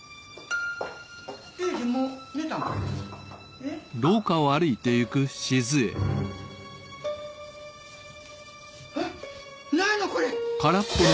えっ？何やのこれ！？